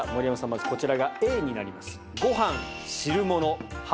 まずこちらがＡになります。